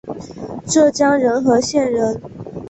浙江仁和县人。